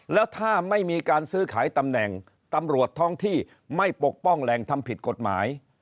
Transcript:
แล้วถ้าไม่มีการซื้อขายตำแหน่งตำรวจท้องที่ไม่ปกป้องแหล่งทำผิดกฎหมาย